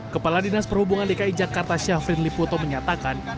kepala dinas perhubungan dki jakarta syafrin liputo menyatakan